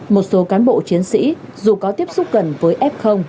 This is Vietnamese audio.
một số cán bộ chiến sĩ dù có tiếp xúc gần với f